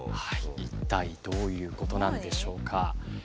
一体どういうことなんでしょうか？